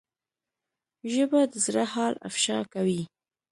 ژبه د زړه حال افشا کوي